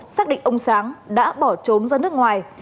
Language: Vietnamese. xác định ông sáng đã bỏ trốn ra nước ngoài